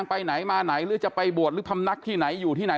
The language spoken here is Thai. ไปไหนมาไหนหรือจะไปบวชหรือพำนักที่ไหนอยู่ที่ไหน